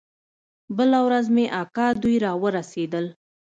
بله ورځ مې اکا دوى راورسېدل.